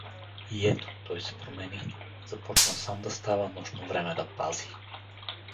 И ето, той се промени: започна сам да става нощно време да пази.